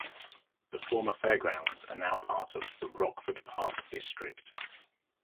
The former fairgrounds are now part of the Rockford Park District.